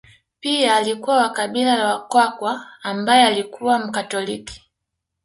Pia alikuwa wa kabila la Wakakwa ambaye alikuwa Mkatoliki